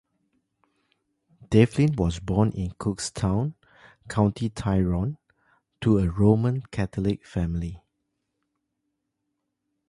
Devlin was born in Cookstown, County Tyrone, to a Roman Catholic family.